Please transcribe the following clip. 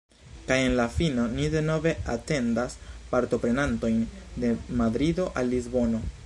Kaj en la fino ni denove atendas partoprenantojn de Madrido al Lisbono.